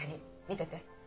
見てて。